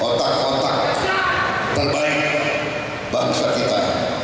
otak otak terbaik bangsa kita